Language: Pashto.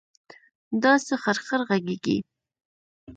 دا څه خرخر غږېږې.